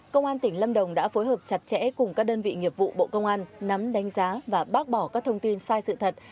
công an tỉnh lâm đồng đã phối hợp chặt chẽ cùng các đơn vị nghiệp vụ bộ công an nắm đánh giá và bác bỏ các thông tin sai sự thật